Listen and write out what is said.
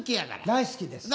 大好きです。